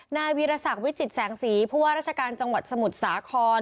นายวีรศักดิ์วิจิตแสงสีผู้ว่าราชการจังหวัดสมุทรสาคร